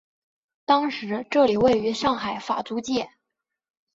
当时这里位于上海法租界。